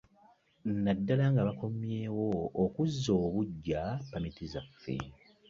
Naddala nga bakomyewo okuzza obuggya Ppamiti zaabwe.